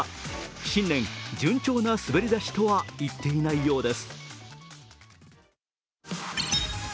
新年、順調な滑り出しとはいっていないようです。